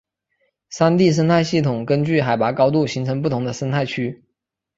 山地生态系统根据海拔高度形成不同的生态区。